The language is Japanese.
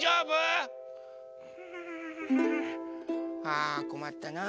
あこまったな。